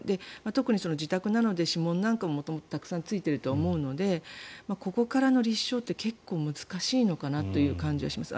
特に自宅なので指紋なんかも元々たくさんついているとは思うのでここからの立証って結構難しいのかなという感じはします。